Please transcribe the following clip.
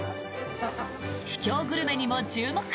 秘境グルメにも注目。